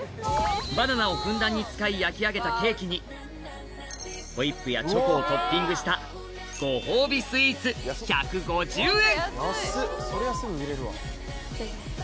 バナナをふんだんに使い焼き上げたケーキにホイップやチョコをトッピングしたご褒美スイーツ１５０円